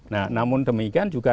nah namun demikian juga